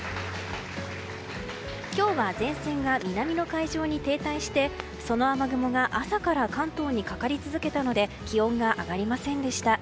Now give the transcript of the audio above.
今日は前線が南の海上に停滞してその雨雲が朝から関東にかかり続けたので気温が上がりませんでした。